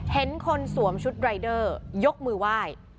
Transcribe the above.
เห็นคนสวมชุดรายเดอร์ยกมือไหว้